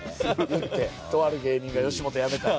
言って「とある芸人が吉本辞めたい」。